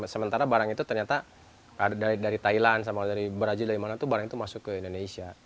sementara barang itu ternyata dari thailand sama dari brazil dari mana itu barang itu masuk ke indonesia